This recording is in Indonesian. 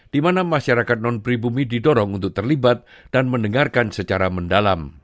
di mana masyarakat non pribumi didorong untuk terlibat dan mendengarkan secara mendalam